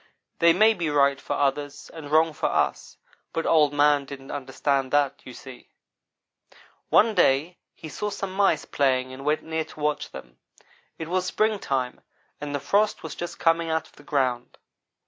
They may be right for others, and wrong for us, but Old man didn't understand that, you see. "One day he saw some mice playing and went near to watch them. It was springtime, and the frost was just coming out of the ground.